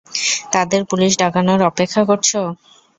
তাদের পুলিশ ডাকানোর অপেক্ষা করছো?